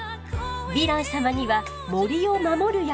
ヴィラン様には森を守る役目もあるのよ。